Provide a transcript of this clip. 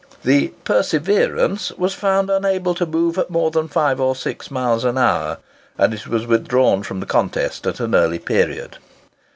The "Perseverance" was found unable to move at more than five or six miles an hour; and it was withdrawn from the contest at an early period.